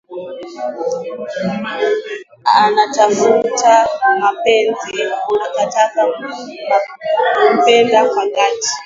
Anatafuta mpenzi atakaye mpenda kwa dhati.